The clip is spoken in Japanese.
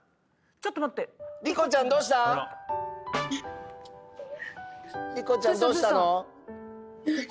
ちょっと待ってりこちゃんどうしたの？